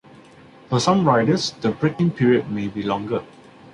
For some riders the break-in period may be longer.